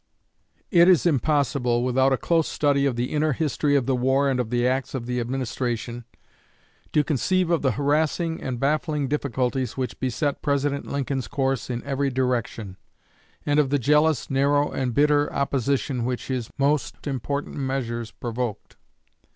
It is impossible, without a close study of the inner history of the war and of the acts of the administration, to conceive of the harassing and baffling difficulties which beset President Lincoln's course in every direction, and of the jealous, narrow, and bitter opposition which his more important measures provoked.